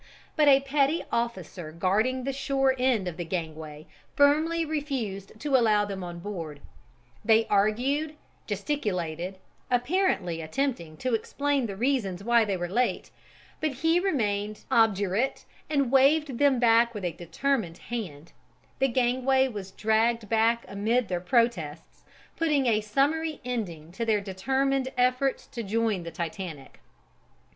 But a petty officer guarding the shore end of the gangway firmly refused to allow them on board; they argued, gesticulated, apparently attempting to explain the reasons why they were late, but he remained obdurate and waved them back with a determined hand, the gangway was dragged back amid their protests, putting a summary ending to their determined efforts to join the Titanic.